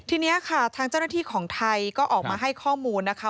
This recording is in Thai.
ทีนี้ค่ะทางเจ้าหน้าที่ของไทยก็ออกมาให้ข้อมูลนะคะ